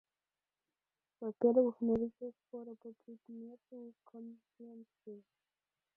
Во-первых, наличие спора по предмету Конвенции.